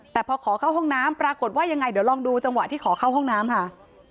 แต่พอขอเข้าห้องน้ำปรากฏว่ายังไงเดี๋ยวลองดูจังหวะที่ขอเข้าห้องน้ำค่ะ